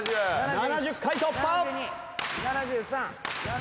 ７０回突破。